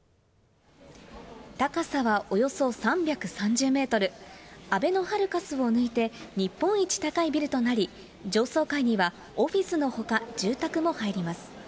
高さはおよそ３３０メートル、あべのハルカスを抜いて、日本一高いビルとなり、上層階にはオフィスのほか、住宅も入ります。